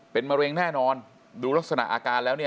เป็นมะเร็งแน่นอนดูลักษณะอาการแล้วเนี่ย